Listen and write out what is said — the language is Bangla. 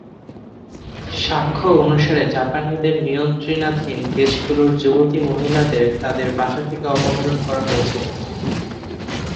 সাক্ষ্য অনুসারে, জাপানিদের নিয়ন্ত্রণাধীন দেশগুলোর যুবতী মহিলাদের তাদের বাসা থেকে অপহরণ করা হয়েছিল।